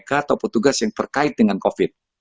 ataupun tugas yang terkait dengan covid